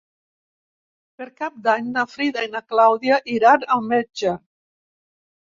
Per Cap d'Any na Frida i na Clàudia iran al metge.